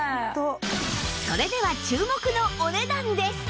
それでは注目のお値段です！